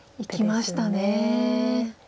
いきましたね。